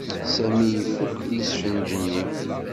Sami ifuk lesfenǧ-nni.